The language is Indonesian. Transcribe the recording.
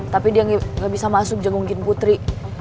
tapi dia gak bisa masuk jagungin putri